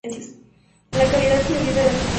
En la actualidad es la líder de un quinteto.